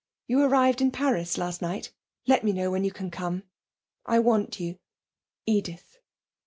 You arrived in Paris last night. Let me knew when you can come. I want you. Edith.'